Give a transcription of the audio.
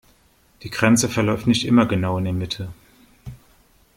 Die Grenze verläuft nicht immer genau in der Mitte.